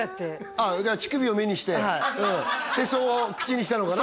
ああ乳首を目にしてヘソを口にしたのかな？